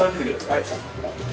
はい。